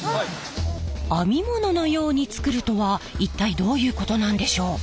編み物のように作るとは一体どういうことなんでしょう？